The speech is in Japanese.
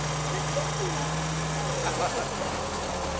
恥ずかしいわ。